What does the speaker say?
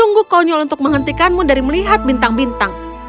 tunggu konyol untuk menghentikanmu dari melihat bintang bintang